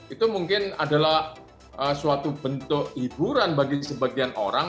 itu mungkin adalah suatu bentuk hiburan bagi sebagian orang